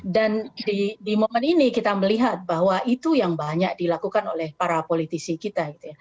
dan di momen ini kita melihat bahwa itu yang banyak dilakukan oleh para politisi kita